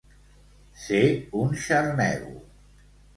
Ser un xarnego.